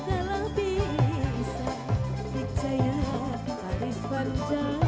buang takun cara kejayaan baris panjang